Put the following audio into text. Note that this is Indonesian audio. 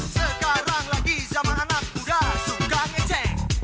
sekarang lagi zaman anak muda suka ngecek